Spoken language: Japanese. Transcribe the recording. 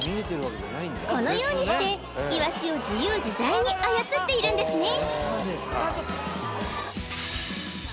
このようにしてイワシを自由自在に操っているんですね